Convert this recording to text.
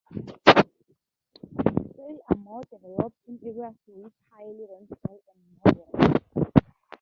Soils are more developed in areas with higher rainfall and more warmth.